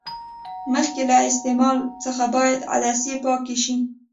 مخکې له استعمال څخه باید عدسې پاکې شي.